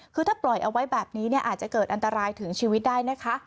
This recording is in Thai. คือถ้าปล่อยเอาไว้แบบนี้เนี่ยอาจจะเกิดอันตรายถึงชีวิตได้นะคะ